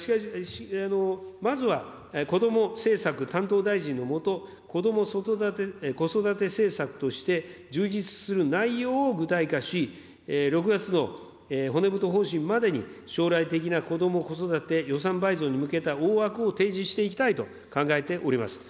まずは、こども政策担当大臣の下、こども・子育て政策として充実する内容を具体化し、６月の骨太方針までに、将来的なこども・子育て予算倍増に向けた大枠を提示していきたいと考えております。